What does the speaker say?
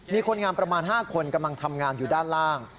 มีคนงานประมาณ๕คนกำลังทำงานอยู่ด้านล่าง